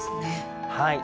はい。